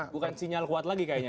bukan sinyal kuat lagi kayaknya